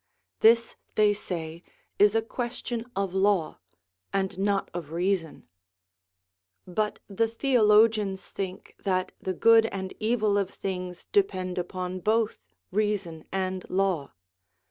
This, they say, is a question of law, and not of reason. But the theologians think that the good and evil of things depend upon both reason and law.